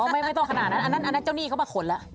ไม่ไม่ต้องขนาดนั้นอันน้วเจ้าหนี้เขามาโขลแล้ว